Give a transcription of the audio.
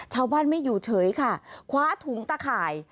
ชาวบ้านไม่อยู่เฉยค่ะคว้าถุงตะข่าย